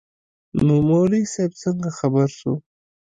نو مولوي صاحب څنگه خبر سو.